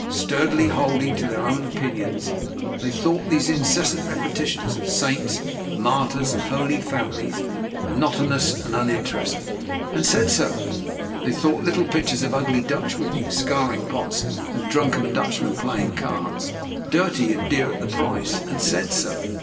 Sturdily holding to their own opinions, they thought incessant repetitions of Saints, Martyrs, and Holy Families, monotonous and uninteresting and said so. They thought little pictures of ugly Dutch women scouring pots, and drunken Dutchmen playing cards, dirty and dear at the price and said so.